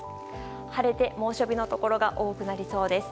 晴れて猛暑日のところが多くなりそうです。